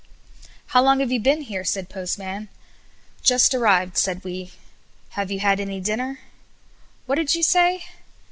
"How long have you been here?" said Postman. "Just arrived," said we. "Have you had any dinner?" "What did you say?"